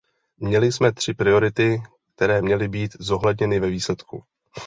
Měli jsme tři priority, které měly být zohledněny ve výsledku.